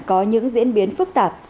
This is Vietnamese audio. có những diễn biến phức tạp